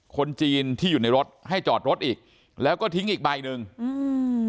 คนจีนที่อยู่ในรถให้จอดรถอีกแล้วก็ทิ้งอีกใบหนึ่งอืม